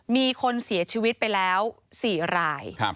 มีคนเสียชีวิตไปแล้ว๔ราย